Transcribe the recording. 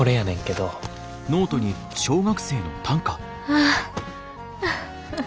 ああ。